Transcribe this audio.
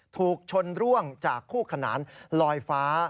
ถูกชนร่วงจากคู่ขนานลอยฟ้า